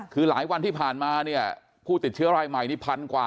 คือหลายวันที่ผ่านมาเนี่ยผู้ติดเชื้อรายใหม่นี่พันกว่า